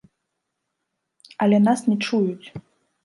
Але нас не чуюць!